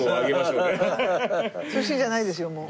通信じゃないですよもう。